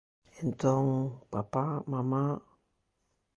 Entón... papá, mamá...